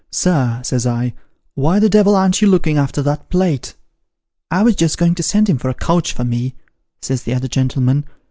' Sir,' says I. ' Why the devil an't you looking after that plate ?'' I was just going to send him for a coach for me,' 22 Sketches by Bos. says the other gentleman.